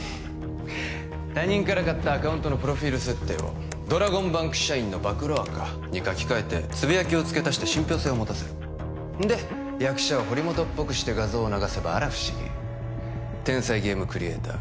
他人から買ったアカウントのプロフィール設定を「ドラゴンバンク社員の暴露垢」に書き換えてつぶやきを付け足して信ぴょう性を持たせるんで役者を堀本っぽくして画像を流せばあら不思議天才ゲームクリエイター